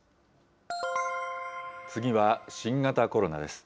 次は新型コロナです。